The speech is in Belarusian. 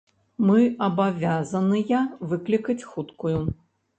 Мы абавязаныя выклікаць хуткую.